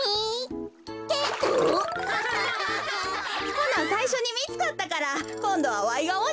ほなさいしょにみつかったからこんどはわいがおにやで。